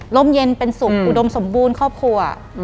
มเย็นเป็นสุขอุดมสมบูรณ์ครอบครัว